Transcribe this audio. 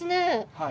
はい。